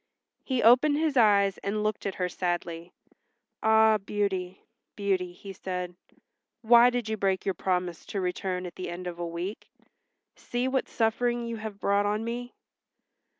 He opened his eyes and looked at her sadly. "Ah, Beauty, Beauty," he said, "why did you break your promise to return at the end of a week? See what suffering you have brought on me."